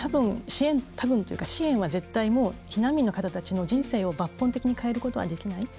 たぶんというか、支援は絶対避難民の方たちの人生を抜本的に変えることはできない。